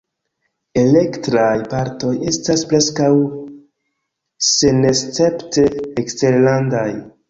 Elektraj partoj estas preskaŭ senescepte eksterlandaj.